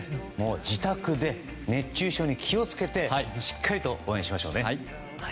自宅で熱中症に気を付けてしっかり応援しましょうね。